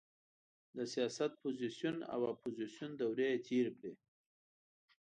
د سیاست پوزیسیون او اپوزیسیون دورې یې تېرې کړې.